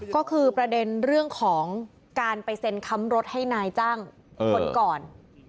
ก็คือประเด็นเรื่องของการไปเซ็นค้ำรถให้นายจ้างคนก่อน